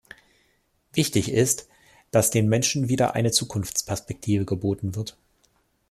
Wichtig ist, dass den Menschen wieder eine Zukunftsperspektive geboten wird.